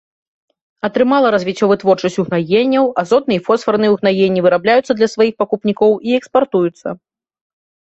Атрымала развіццё вытворчасць угнаенняў, азотныя і фосфарныя ўгнаенні вырабляюцца для сваіх пакупнікоў і экспартуюцца.